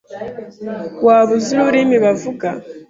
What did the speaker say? Waba uzi ururimi bavuga?